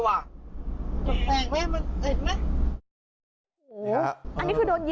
ระเบิดกระจกแตกไหมมันเสร็จไหม